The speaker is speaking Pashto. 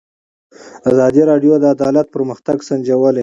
ازادي راډیو د عدالت پرمختګ سنجولی.